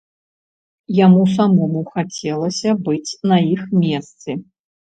Яму самому хацелася быць на іх месцы.